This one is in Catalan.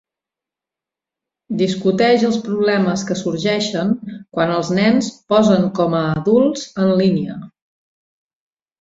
Discuteix els problemes que sorgeixen quan els nens posen com a adults en línia.